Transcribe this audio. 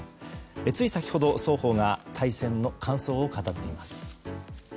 つい先ほど双方が対戦の感想を語っています。